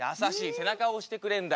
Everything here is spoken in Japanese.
背中を押してくれんだ。